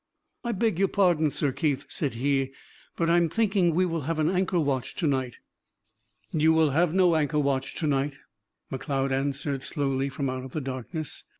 "I beg your pardon, Sir Keith," said he, "but I am thinking we will have an anchor watch to night." "You will have no anchor watch to night," Macleod answered slowly, from out of the darkness.